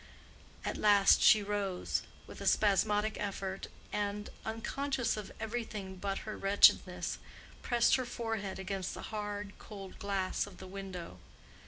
At last she rose, with a spasmodic effort, and, unconscious of every thing but her wretchedness, pressed her forehead against the hard, cold glass of the window.